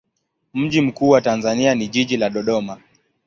Mji mkuu wa Tanzania ni jiji la Dodoma.